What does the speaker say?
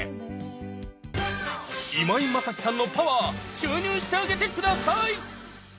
今井マサキさんのパワー注入してあげて下さい！